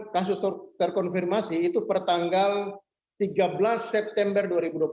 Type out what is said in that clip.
kasus terkonfirmasi itu pertanggal tiga belas september dua ribu dua puluh